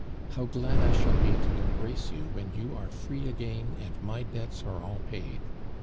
How glad I shall be to embrace you when you are free again and my debts are all paid!